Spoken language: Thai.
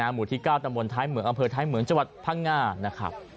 หมู่ที่๙ตำบลท้ายเหมืองอำเภอท้ายเหมืองจังหวัดพังงานะครับ